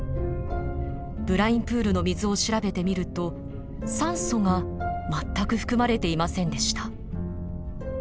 ブラインプールの水を調べてみると酸素が全く含まれていませんでした。